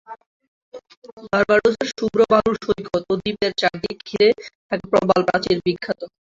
বার্বাডোসের শুভ্র বালুর সৈকত ও দ্বীপের চারদিক ঘিরে থাকা প্রবাল প্রাচীর বিখ্যাত।